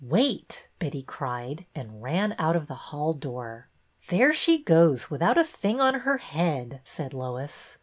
Wait! " Betty cried, and ran out of the hall door. " There she goes, without a thing on her head," said Lois.